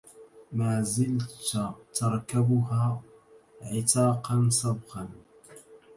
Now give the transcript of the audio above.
ما زلت تركبها عتاقا سبقا